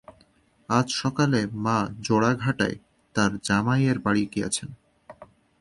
আজ সকালে মা যােড়াঘাটায় তাঁর জামাইয়ের বাড়ি গিয়াছেন।